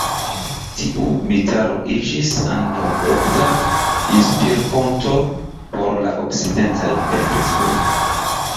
Tiu mitaro iĝis ankaŭ ofta inspir-fonto por la okcidentaj pentristoj.